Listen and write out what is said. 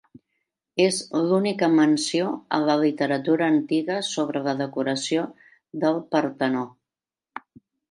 És l'única menció a la literatura antiga sobre la decoració del Partenó.